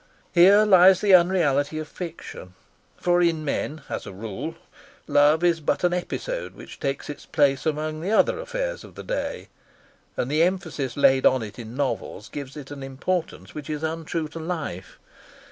Here lies the unreality of fiction. For in men, as a rule, love is but an episode which takes its place among the other affairs of the day, and the emphasis laid on it in novels gives it an importance which is untrue to life.